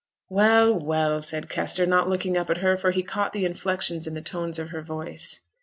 'Well, well!' said Kester, not looking up at her, for he caught the inflections in the tones of her voice.